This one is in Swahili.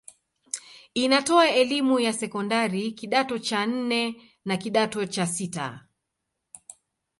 Inatoa elimu ya sekondari kidato cha nne na kidato cha sita.